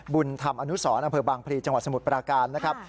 บุญธรรมอนุสรอำเภอบางพลีจังหวัดสมุทรปราการนะครับ